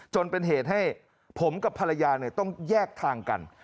จนเป็นเหตุให้ผมกับภรรยาต้องแยกทางกัน